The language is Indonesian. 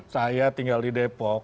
saya tinggal di depok